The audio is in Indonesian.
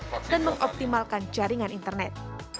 untuk mengimalkan jaringan internet